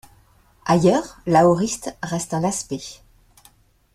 Ailleurs, l'aoriste reste un aspect.